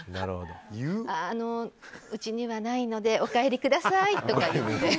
うちにはないのでお帰りくださいとか言って。